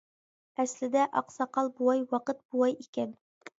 ئەسلىدە ئاقساقال بوۋاي ۋاقىت بوۋاي ئىكەن.